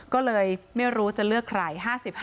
ก็เลยไม่รู้จะเลือกใคร๕๕